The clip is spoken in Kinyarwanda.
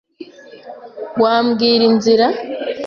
Wambwira inzira?